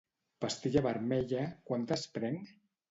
Pastilla vermella, quantes prenc?